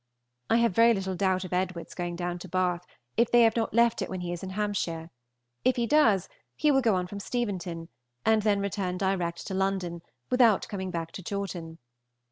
I have very little doubt of Edward's going down to Bath, if they have not left it when he is in Hampshire; if he does, he will go on from Steventon, and then return direct to London, without coming back to Chawton.